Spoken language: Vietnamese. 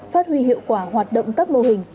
phát huy hiệu quả hoạt động các mô hình